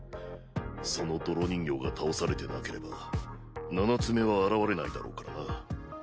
その泥人形が倒されてなければ七つ眼は現れないだろうからな。